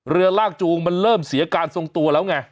เรือลากจูงมันเริ่มเสียการทรงตัวแล้วไง